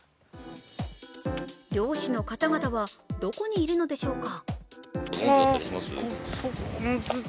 漁師の方々はどこにいるのでしょうか。